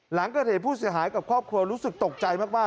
หลังเกิดเหตุผู้เสียหายกับครอบครัวรู้สึกตกใจมาก